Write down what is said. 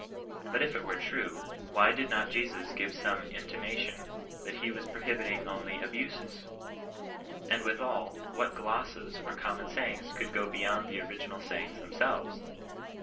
But if it were true, why did not Jesus gire some intimation that he was prohibiting only (duues ? And withal, what glosses or common sayings could go beyond the original sayings themselves